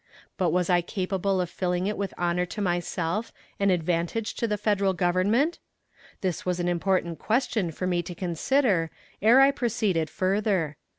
But was I capable of filling it with honor to myself and advantage to the Federal Government? This was an important question for me to consider ere I proceeded further.